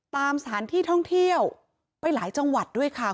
ตามสถานที่ท่องเที่ยวไปหลายจังหวัดด้วยค่ะ